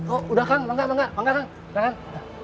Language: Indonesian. oh udah kang bangga bangga bangga kang